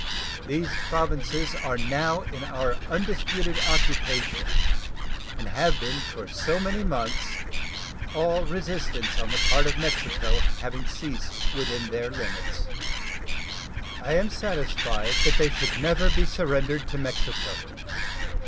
These Provinces are now in our undisputed occupation, and have been so for many months, all resistance on the part of Mexico having ceased within their limits. I am satisfied that they should never be surrendered to Mexico.